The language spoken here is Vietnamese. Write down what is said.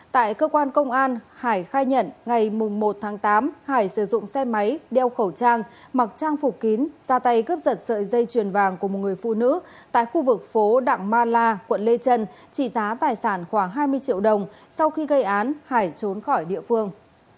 tại cơ quan công an hải khai nhận ngày một tháng tám hải sử dụng xe máy đeo khẩu trang mặc trang phục kín ra tay cướp giật sợi dây chuyền vàng của một người phụ nữ tại khu vực phố đặng ma la quận lê trân trị giá tài sản khoảng hai mươi triệu đồng sau khi gây án hải trốn khỏi địa phương